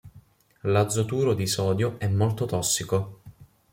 L'azoturo di sodio è molto tossico.